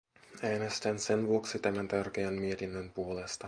Äänestän sen vuoksi tämän tärkeän mietinnön puolesta.